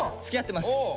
つきあってます！